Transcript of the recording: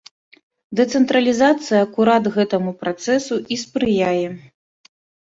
Дэцэнтралізацыя акурат гэтаму працэсу і спрыяе.